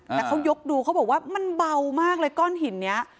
แต่เขายกดูเขาบอกว่ามันเบามากเลยก้อนหินนี้